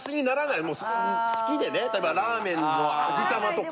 好きでねラーメンの味玉とか。